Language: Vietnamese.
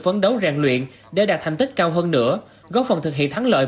phấn đấu ràng luyện để đạt thành tích cao hơn nữa góp phần thực hiện thắng lợi